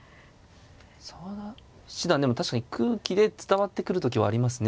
澤田七段でも確かに空気で伝わってくる時はありますね。